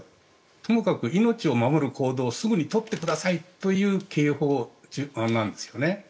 とにかく命を守る行動をすぐに取ってくださいという警報なんですよね。